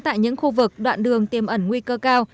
tại những khu vực đoạn đường tiêm ẩn nguy cơ cao